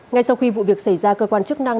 ngay sau khi vụ việc xảy ra cơ quan chức năng